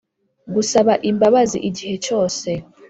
Gusaba imbabazi igihe cyose